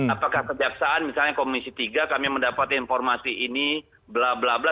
apakah kejaksaan misalnya komisi tiga kami mendapat informasi ini bla bla bla